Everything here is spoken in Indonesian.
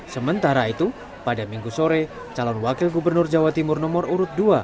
sementara itu pada minggu sore calon wakil gubernur jawa timur nomor urut dua